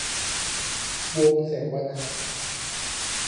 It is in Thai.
วงเสวนา